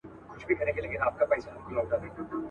یوه برخه د پرون له رشوتونو.